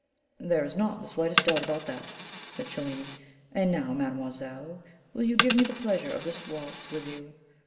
"There is not the slightest doubt about that," said Cellini. "And now, mademoiselle, will you give me the pleasure of this waltz with you?